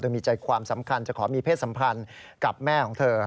มีใจความสำคัญจะขอมีเพศสัมพันธ์กับแม่ของเธอ